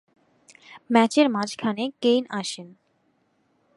ম্যাচের মাঝখানে কেইন আসে।